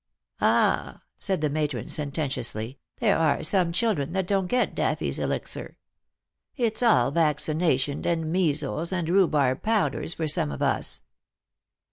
" Ah," said the matron sententiously, " there are some chil dren that don't get Daffy's Elixir. It's all vaccination, and measles, and rhubarb powders for some of us."